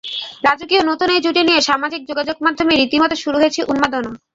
রাজকীয় নতুন এই জুটি নিয়ে সামাজিক যোগাযোগমাধ্যমে রীতিমতো শুরু হয়েছে উন্মাদনা।